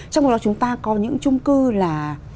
trong đó chúng ta có những trung cư là